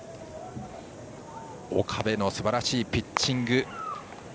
岡部のすばらしいピッチング。